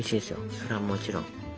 それはもちろん。